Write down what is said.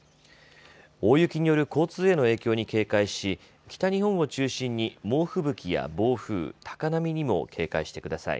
大雪による交通への影響に警戒し北日本を中心に猛吹雪や暴風、高波にも警戒してください。